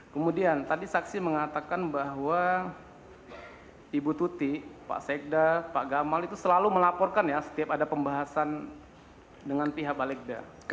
kemudian tadi saksi mengatakan bahwa ibu tuti pak sekda pak gamal itu selalu melaporkan ya setiap ada pembahasan dengan pihak balikda